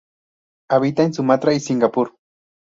Habita en Sumatra y Singapur.